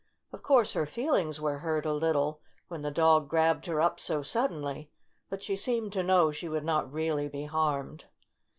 Of course her feelings were hurt a little when the dog grabbed her up so suddenly, but she seemed to know she would not really be harmed.